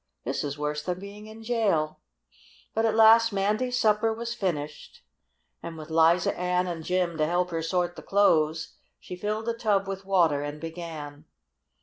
This is worse than being in jail!" But at last Mandy's supper was finished, and, with Liza Ann and Jim to help her sort the clothes, she filled a tub with water and began.